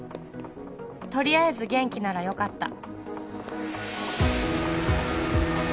「とりあえず元気ならよかった」